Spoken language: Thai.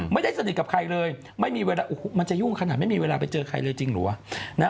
ไม่ได้สนิทกับใครเลยไม่มีเวลาโอ้โหมันจะยุ่งขนาดไม่มีเวลาไปเจอใครเลยจริงเหรอวะ